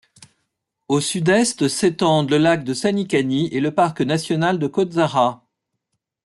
Au sud-est s'étendent le lac de Saničani et le parc national de Kozara.